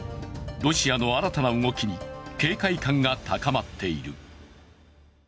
ロシアの新たな動きに、警戒感が高まっている。